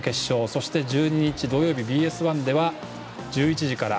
そして１２日、土曜日ＢＳ１では１１時から。